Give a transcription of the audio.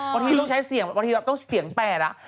วันที่เราต้องใช้เสียงวันที่เราต้องกินเป็ด